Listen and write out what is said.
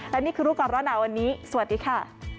และนี่คือรู้ก่อนร้อนหนาวันนี้สวัสดีค่ะ